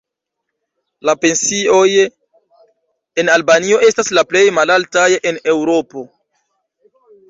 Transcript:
La pensioj en Albanio estas la plej malaltaj en Eŭropo.